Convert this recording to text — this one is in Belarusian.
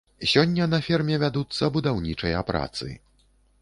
Сёння на ферме вядуцца будаўнічыя працы.